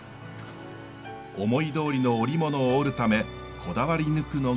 思いどおりの織物を織るためこだわり抜くのが色です。